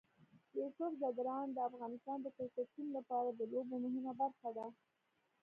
یوسف ځدراڼ د افغانستان د کرکټ ټیم لپاره د لوبو مهمه برخه ده.